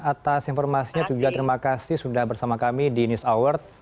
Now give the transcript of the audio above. atas informasinya juga terima kasih sudah bersama kami di news hour